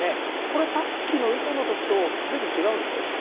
これさっきの糸の時と随分違うでしょ？